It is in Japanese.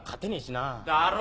だろ？